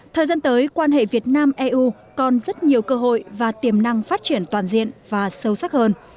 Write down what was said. thời gian tới quan hệ việt nam eu còn rất nhiều cơ hội và tiềm năng phát triển toàn diện và sâu sắc hơn